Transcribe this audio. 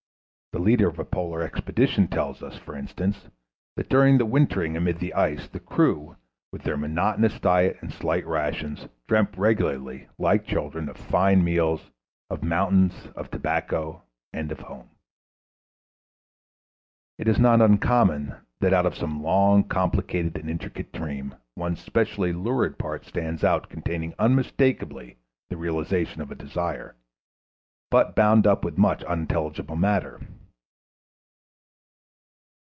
The leader of a polar expedition tells us, for instance, that during the wintering amid the ice the crew, with their monotonous diet and slight rations, dreamt regularly, like children, of fine meals, of mountains of tobacco, and of home. It is not uncommon that out of some long, complicated and intricate dream one specially lucid part stands out containing unmistakably the realization of a desire, but bound up with much unintelligible matter.